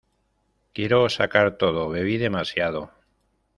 Quiero sacar todo: bebí demasiado.